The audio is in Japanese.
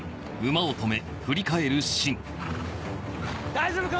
大丈夫か？